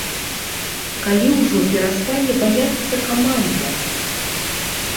Калі ўжо перастане баяцца каманда?